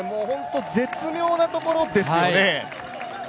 絶妙なところですよね。